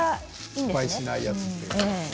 失敗しないやつ。